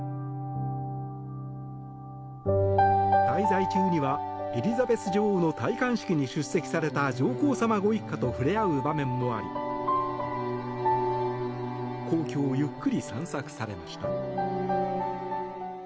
滞在中には、エリザベス女王の戴冠式に出席された上皇さまご一家と触れ合う場面もあり皇居をゆっくり散策されました。